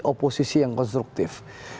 oposisi yang konstruktif